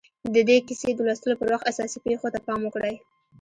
د دې کیسې د لوستلو پر وخت اساسي پېښو ته پام وکړئ